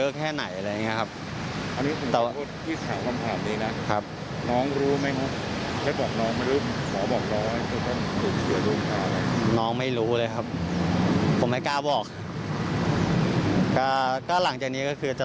ก็หลังจากนี้ก็คือจะต้องเอาลูกตาข้างถึงแปกนะครับ